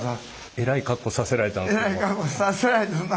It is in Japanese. えらい格好させられたそんな。